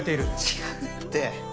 違うって。